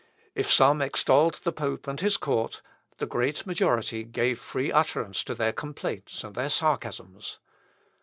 If some extolled the pope and his court, the great majority gave free utterance to their complaints and their sarcasms.